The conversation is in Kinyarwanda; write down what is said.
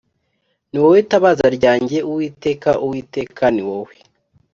Ni wowe tabaza ryanjye Uwiteka Uwiteka ni we